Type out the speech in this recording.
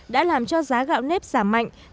đã làm cho giá gạo nếp giảm mạnh